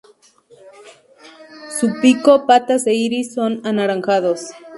Su pico, patas e iris son anaranjados.